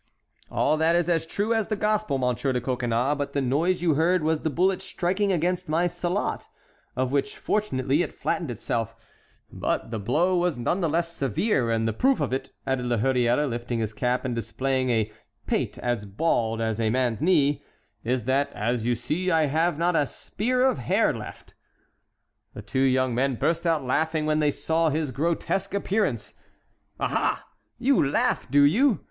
"All that is as true as the gospel, Monsieur de Coconnas. But the noise you heard was the bullet striking against my sallat, on which fortunately it flattened itself; but the blow was none the less severe, and the proof of it," added La Hurière, lifting his cap and displaying a pate as bald as a man's knee, "is that as you see I have not a spear of hair left." The two young men burst out laughing when they saw his grotesque appearance. "Aha! you laugh, do you?"